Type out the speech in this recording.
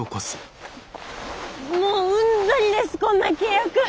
もううんざりですこんな契約！